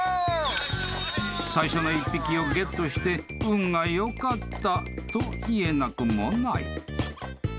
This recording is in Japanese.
［最初の１匹をゲットして運が良かったと言えなくもない］